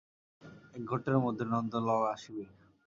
একঘণ্টার মধ্যে নন্দলাল আসিবে।